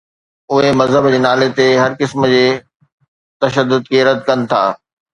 اهي مذهب جي نالي تي هر قسم جي تشدد کي رد ڪن ٿا.